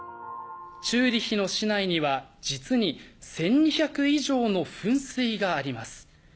チューリヒの市内には実に１２００以上の噴水があります。